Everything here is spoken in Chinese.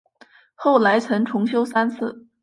后来曾重修三次。